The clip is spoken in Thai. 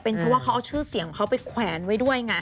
เพราะว่าเขาเอาชื่อเสียงของเขาไปแขวนไว้ด้วยไง